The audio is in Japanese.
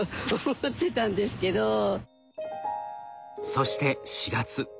そして４月。